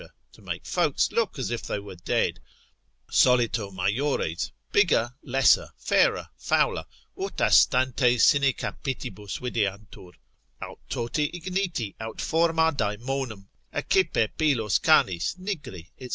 to make folks look as if they were dead, solito majores, bigger, lesser, fairer, fouler, ut astantes sine capitibus videantur; aut toti igniti, aut forma daemonum, accipe pilos canis nigri, &c.